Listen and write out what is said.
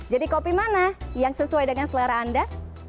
jadi kopi mana yang sesuai dengan selera anda